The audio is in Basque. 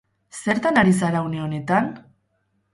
Zertan ari zara une honetan?